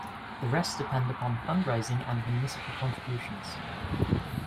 The rest depend upon fundraising and municipal contributions.